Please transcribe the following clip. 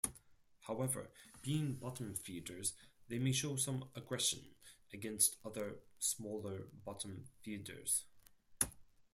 However, being bottom feeders, they may show some aggression against other smaller bottom feeders.